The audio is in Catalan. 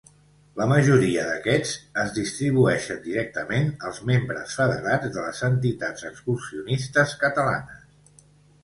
La majoria d'aquests es distribueixen directament als membres federats de les entitats excursionistes catalanes.